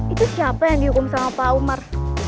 itu siapa yang dihukum sama pak umar